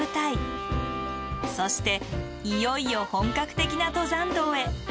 そしていよいよ本格的な登山道へ。